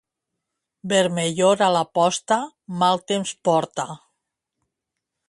Vermellor a la posta, mal temps porta.